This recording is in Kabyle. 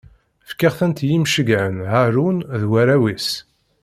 Fkiɣ-tent i yimceyyɛen Haṛun d warraw-is.